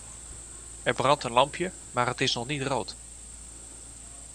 Er brandt een lampje, maar het is nog niet rood.